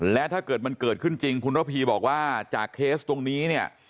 และถ้าเกิดมันเกิดขึ้นจริงคุณระพีบอกว่าจากเคสตรงนี้เนี่ย